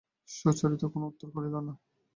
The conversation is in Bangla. সুচরিতা কোনো উত্তর করিল না।